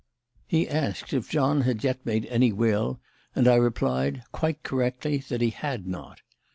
He asked if John had yet made any will, and I replied, quite correctly, that he had not.